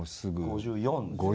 ５４ですね。